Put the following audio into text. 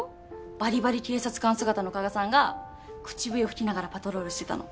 バリバリ警察官姿の加賀さんが口笛を吹きながらパトロールしてたの。